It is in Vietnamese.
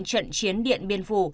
trận chiến điện biên phủ